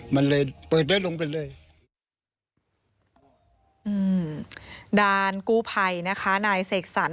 มันเลยเปิดได้ลงไปเลยอืมด้านกู้ภัยนะคะนายเสกสรร